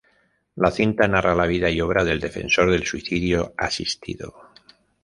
La cinta narra la vida y obra del defensor del suicidio asistido.